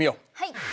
はい。